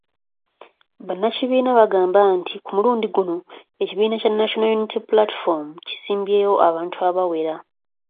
Bannakibiina bagamba nti ku mulundi guno, ekibiina kya National Unity Platform kisimbyewo abantu abawera .